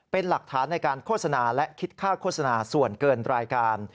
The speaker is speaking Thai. เป็นหลักฐานในการโฆษณาและคิดค่าโฆษณาส่วนเกินรายการ